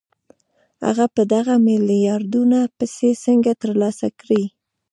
هغه به دغه میلیاردونه پیسې څنګه ترلاسه کړي